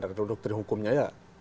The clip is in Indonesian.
dalam doktrin hukumnya ya